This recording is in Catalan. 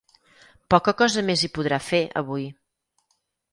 Poca cosa més hi podrà fer, avui.